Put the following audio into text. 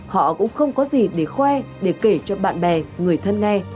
họ cũng không có gì để khoe để kể cho bạn bè người thân nghe